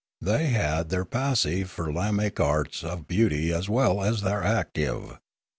They had their passive firlamaic arts of beauty as well as their active.